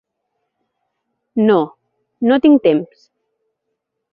No, no tinc temps.